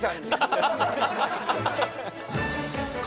ハハハ